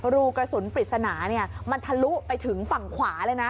รูกระสุนปริศนามันทะลุไปถึงฝั่งขวาเลยนะ